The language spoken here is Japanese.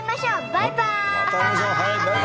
バイバイ！